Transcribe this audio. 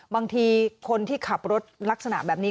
บางทีคนที่ขับรถลักษณะแบบนี้